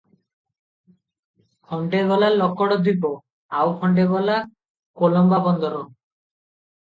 ଖଣ୍ଡେ ଗଲା ଲକଡ଼ ଦ୍ୱୀପ, ଆଇ ଖଣ୍ଡେ ଗଲା କଲମ୍ବା ବନ୍ଦର ।